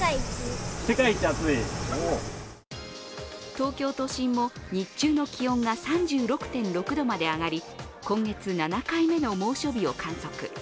東京都心も日中の気温が３６．６度まで上がり、今月７回目の猛暑日を観測。